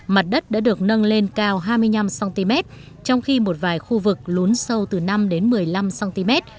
mặt đất đã được nâng lên cao hai mươi năm cm trong khi một vài khu vực lún sâu từ năm đến một mươi năm cm